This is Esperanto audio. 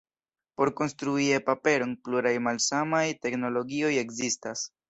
Por konstrui e-paperon, pluraj malsamaj teknologioj ekzistas.